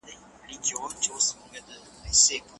تاریخ پوهانو له پخوا د پېښو رښتینولي معلوموله.